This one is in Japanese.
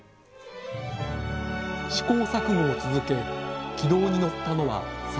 試行錯誤を続け軌道に乗ったのは３年目のこと。